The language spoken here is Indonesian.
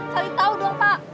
cari tau dong pak